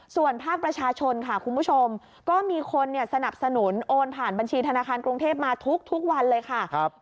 ส่วนภาคประชาชนค่ะคุณผู้ชมก็มีคนสนับสนุนโอนผ่านบัญชีธนาคารกรุงเทพมาทุกวันเลยค่ะ